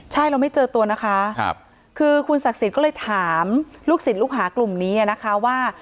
ใช่เราไม่เจอตัวนะคะคือคุณศักดิ์สิทธิ์ก็เลยถามลูกศิษย์ลูกหากลุ่มนี้นะคะว่า